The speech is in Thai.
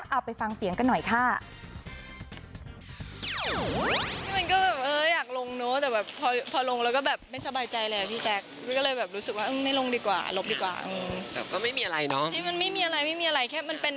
เอาไปฟังเสียงกันหน่อยค่ะ